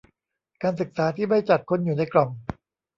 การศึกษาที่ไม่จัดคนอยู่ในกล่อง